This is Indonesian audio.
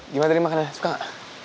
gimana tadi makanan suka gak